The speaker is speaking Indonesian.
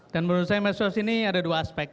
dan menurut saya medsos ini ada dua aspek